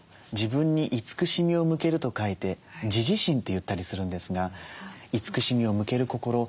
自分に慈しみを向けると書いて「自慈心」と言ったりするんですが慈しみを向ける心